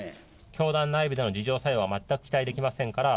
教団内部での自浄作用は全く期待できませんから。